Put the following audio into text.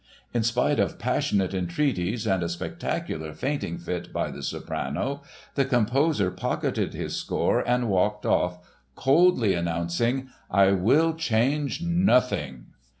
In spite of passionate entreaties and a spectacular fainting fit by the soprano, the composer pocketed his score and walked off coldly announcing: "I will change nothing."